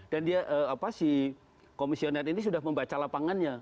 dan dia apa si komisioner ini sudah membaca lapangannya